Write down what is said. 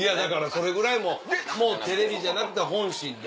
それぐらいもうテレビじゃなくて本心で。